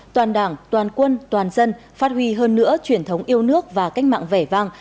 toàn đảng toàn quân toàn dân phát huy hơn nữa truyền thống yêu nước và cách mạng việt nam